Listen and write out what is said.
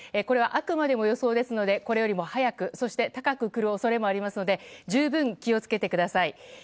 これはあくまでも予想ですのでこれよりも早くそして高くくる恐れもありますので十分気を付けてください。